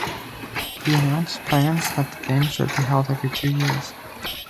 He announced plans that the games would be held every two years.